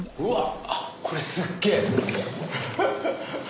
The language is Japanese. これすっげえ！